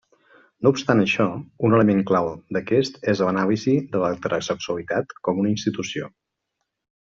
No obstant això, un element clau d'aquest és l'anàlisi de l'heterosexualitat com una institució.